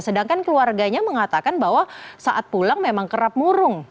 sedangkan keluarganya mengatakan bahwa saat pulang memang kerap murung